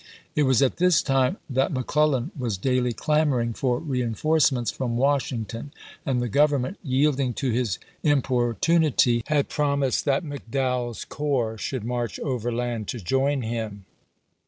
It was at this time that MeClellan was daily clamoring for reenforcements from Washing ton; and the Government, yielding to his impor tunity, had promised that McDowell's corps should march overland to join him.